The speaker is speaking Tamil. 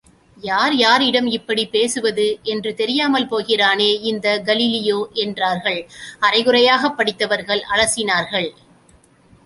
யார், யாரிடம் இப்படிப் பேசுவது என்றுதெரியாமல் பேசுகிறானே இந்தக் கலீலியோ என்றார்கள் அரைகுறையாக படித்தவர்கள் அலசினார்கள்!